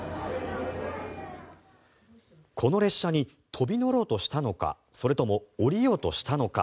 この列車に飛び乗ろうとしたのかそれとも降りようとしたのか。